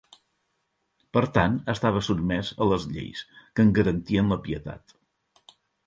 Per tant estava sotmès a les lleis, que en garantien la pietat.